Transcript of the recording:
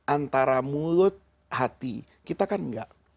antara mulut hati kita kan enggak